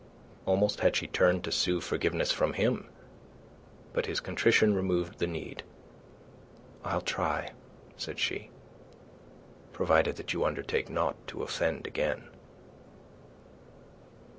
Almost had she turned to sue forgiveness from him. But his contrition removed the need. "I'll try," said she, "provided that you undertake not to offend again."